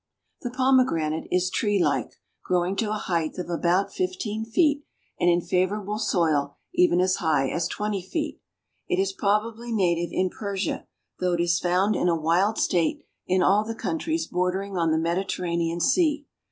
_) The Pomegranate is tree like, growing to a height of about fifteen feet and in favorable soil even as high as twenty feet. It is probably native in Persia, though it is found in a wild state in all the countries bordering on the Mediterranean Sea.